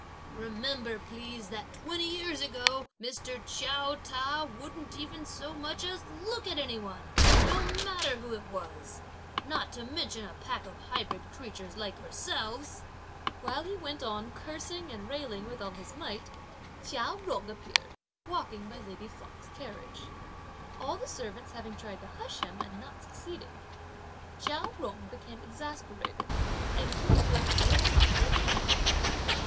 Remember please, that twenty years ago, Mr. Chiao Ta wouldn't even so much as look at any one, no matter who it was; not to mention a pack of hybrid creatures like yourselves!" While he went on cursing and railing with all his might, Chia Jung appeared walking by lady Feng's carriage. All the servants having tried to hush him and not succeeding, Chia Jung became exasperated; and forthwith blew him up for a time.